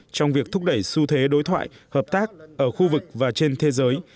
trong việc thúc đẩy xu thế đối thoại hợp tác ở khu vực và trên thế giới